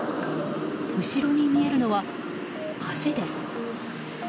後ろに見えるのは、橋です。